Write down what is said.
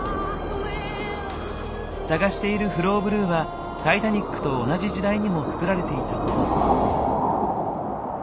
探しているフローブルーはタイタニックと同じ時代にも作られていたモノ。